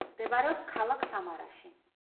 მდებარეობს ქალაქ სამარაში.